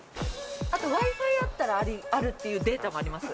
あとＷｉ−Ｆｉあったらあるっていうデータもあります。